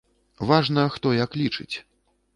Важна, хто як лічыць.